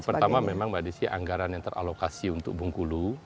pertama memang mbak adi sih anggaran yang teralokasi untuk bung kulo